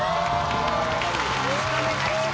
よろしくお願いします。